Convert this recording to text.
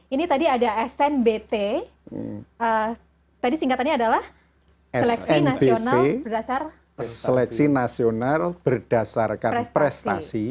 ini tadi ada snbt tadi singkatannya adalah seleksi nasional berdasarkan prestasi